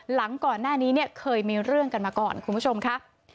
หลังก่อนหน้านี้เนี่ยเคยมีเรื่องกันมาก่อนคุณผู้ชมค่ะ